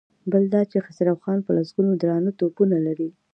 بل دا چې خسرو خان په لسګونو درانه توپونه لري.